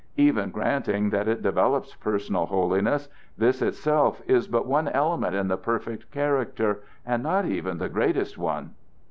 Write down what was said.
Even granting that it develops personal holiness, this itself is but one element in the perfect character, and not even the greatest one."